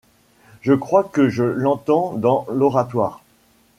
Je crois que je l'entends dans l'oratoire.